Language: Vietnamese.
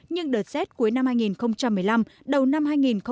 nhưng đợt rét cuối năm hai nghìn một mươi năm đầu năm hai nghìn một mươi chín